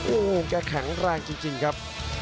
โอ้โหแกแข็งแรงจริงครับ